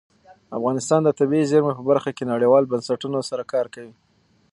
افغانستان د طبیعي زیرمې په برخه کې نړیوالو بنسټونو سره کار کوي.